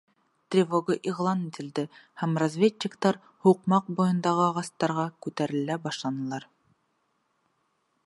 Тревога иғлан ителде һәм разведчиктар һуҡмаҡ буйындағы ағастарға күтәрелә башланылар.